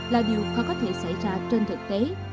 là điều khó có thể xảy ra trên thực tế